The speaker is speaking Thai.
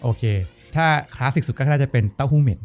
โอเคถ้าคลาสสิกสุดก็น่าจะเป็นเต้าหู้เหม็น